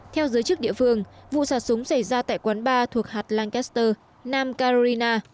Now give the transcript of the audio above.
theo giới chức địa phương vụ xả súng xảy ra tại quán bar thuộc hạt lancaster nam carolina